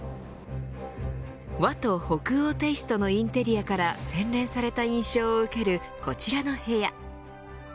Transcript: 和と北欧テイストのインテリアから洗練された印象を受けるこちらの部屋。